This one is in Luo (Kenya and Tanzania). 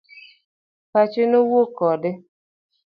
Pache nowuoyo kode.